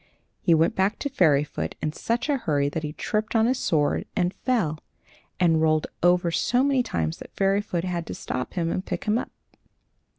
He went back to Fairyfoot in such a hurry that he tripped on his sword and fell, and rolled over so many times that Fairyfoot had to stop him and pick him up.